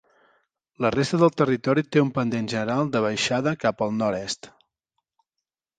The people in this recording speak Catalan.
La resta del territori té un pendent general de baixada cap al nord-est.